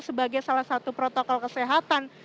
sebagai salah satu protokol kesehatan